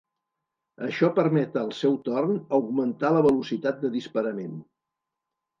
Això permet al seu torn augmentar la velocitat de disparament.